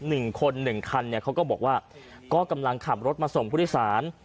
หนึ่งคนหนึ่งคันเนี่ยเขาก็บอกว่าก็กำลังขับรถมาส่งผู้โดยสาร